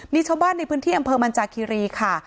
มีชาวบ้านในพื้นที่อำเภอมันจากคีรีค่ะ